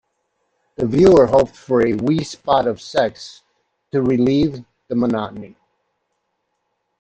This viewer hoped for a wee spot of sex to relieve the monotony.